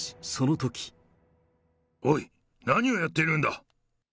おい、何をやってるんだ！